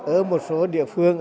ở một số địa phương